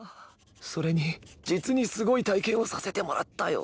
それに実にスゴイ体験をさせてもらったよ。